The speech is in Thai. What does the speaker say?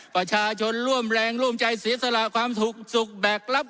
ประชาชนร่วมแรงร่วมใจศีรษละความสุขแบกลับ